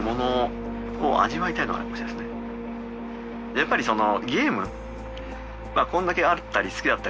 やっぱりその。